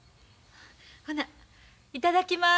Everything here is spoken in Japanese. ほないただきます。